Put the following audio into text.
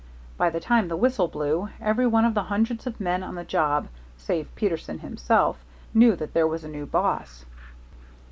By the time the whistle blew, every one of the hundreds of men on the job, save Peterson himself, knew that there was a new boss.